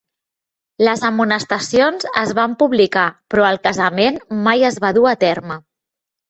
Les amonestacions es van publicar però el casament mai es va dur a terme.